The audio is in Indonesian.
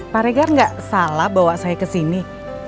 pak regar tidak salah bawa saya ke sini